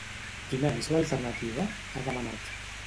“Quina és l’alternativa?”, ha demanat.